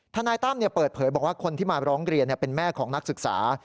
นายตั้มเปิดเผยบอกว่าคนที่มาร้องเรียนเป็นแม่ของนักศึกษา